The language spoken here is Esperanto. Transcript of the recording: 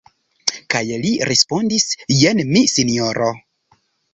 Kaj li respondis: Jen mi, Sinjoro.